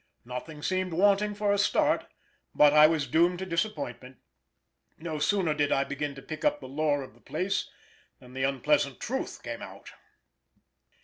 Nothing seemed wanting for a start, but I was doomed to disappointment. No sooner did I begin to pick up the lore of the place than the unpleasant truth came out.